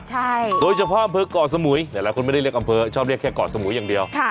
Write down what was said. ใช่โดยเฉพาะอำเภอก่อสมุยหลายคนไม่ได้เรียกอำเภอชอบเรียกแค่เกาะสมุยอย่างเดียว